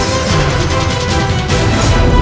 tidak ada apa apa